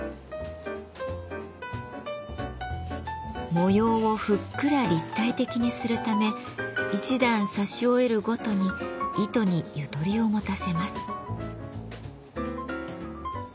模様をふっくら立体的にするため一段刺し終えるごとに糸にゆとりを持たせます。